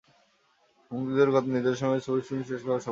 মুক্তি দূরের কথা, নির্ধারিত সময়ে ছবির শুটিং শেষ করাই সম্ভব হয়নি।